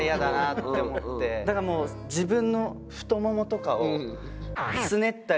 だからもう自分の太ももとかをつねったり。